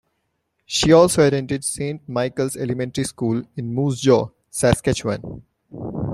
She also attended Saint Michael's elementary school in Moose Jaw, Saskatchewan.